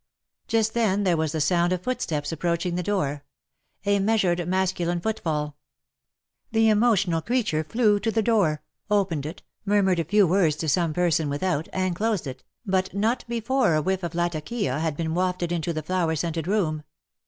Just then there was the sound of footsteps approaching the door — a measured masculine foot fall. The emotional creature flew to the door, opened it, murmured a few words to some person without, and closed it, but not before a whiff of Latakia had been wafted into the flower scented room.